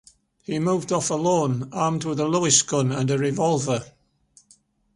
He moved off alone, armed with a Lewis gun and a revolver.